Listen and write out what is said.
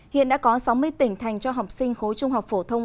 hiện đã có sáu mươi tỉnh thành cho học sinh khối trung học phổ thông